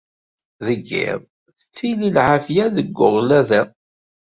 Deg yiḍ, tettili lɛafya deg uɣlad-a.